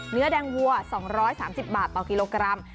เนื้อแดงวัว๒๓๐บาทต่อกิโลกรัม